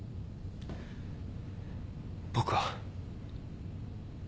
僕は。